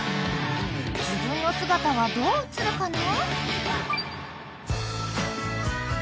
［自分の姿はどう映るかな？］